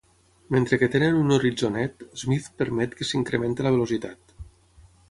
Mentre que tenen un horitzó net, Smith permet que s'incrementi la velocitat.